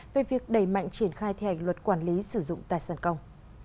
về việc đẩy mạnh triển khai thi hành luật quản lý sử dụng tài sản công